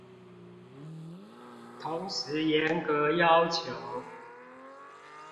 同時嚴格要求